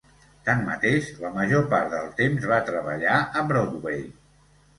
Tanmateix, la major part del temps va treballar a Broadway.